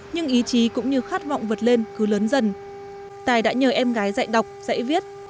nhưng ý chí cũng như khát vọng vượt lên cứ lớn dần tài đã nhờ em gái dạy đọc dạy viết